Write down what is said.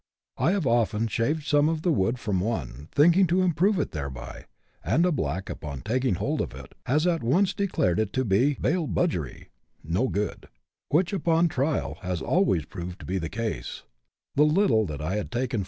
I have often shaved some of the wood from one, thinking to improve it thereby, and a black, upon taking hold of it, has at once declared it to be " bale budgery " (no good), which, upon trial, always proved to be the case ; the little that I had taken CHAP.